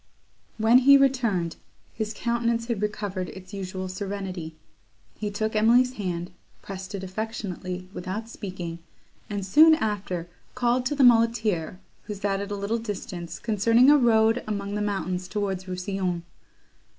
When he returned, his countenance had recovered its usual serenity; he took Emily's hand, pressed it affectionately, without speaking, and soon after called to the muleteer, who sat at a little distance, concerning a road among the mountains towards Rousillon.